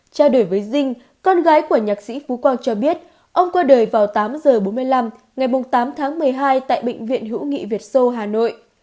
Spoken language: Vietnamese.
trao đổi với dinh con gái của nhạc sĩ phú quang cho biết ông qua đời vào tám h bốn mươi năm ngày tám tháng một mươi hai tại bệnh viện hữu nghị việt sô hà nội